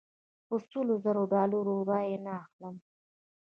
په سلو زرو ډالرو رایې نه اخلم.